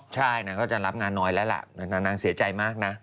ใช่นางก็จะรับงานน้อยแล้วล่ะนางเสียใจมากนะ